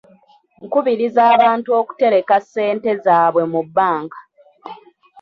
Nkubiriza abantu okutereka ssente zaabwe mu bbanka.